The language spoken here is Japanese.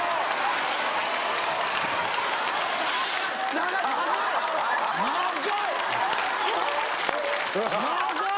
長い！